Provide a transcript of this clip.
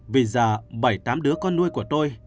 vì giờ bảy tám đứa con nuôi của tôi